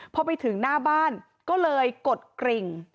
พอไปถึงหน้าบ้านก็เลยกดกริ่ง